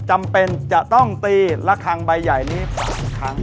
จำเป็นจะต้องตีระคังใบใหญ่นี้๓ครั้ง